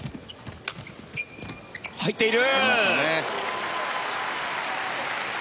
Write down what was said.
入っている！